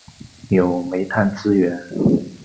有煤炭资源。